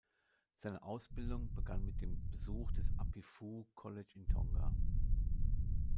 Seine Ausbildung begann mit dem Besuch des Apifoʻou College in Tonga.